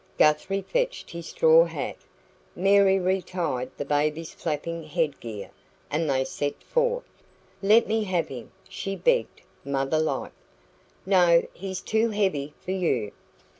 Guthrie fetched his straw hat. Mary retied the baby's flapping head gear, and they set forth. "Let me have him," she begged, mother like. "No. He is too heavy for you."